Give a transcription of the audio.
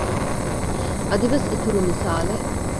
އަދިވެސް އިތުރު މިސާލެއް